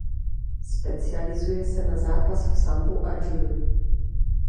Specializuje se na zápas v sambu a judu.